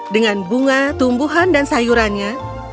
dengan bunga tumbuhan dan sayurannya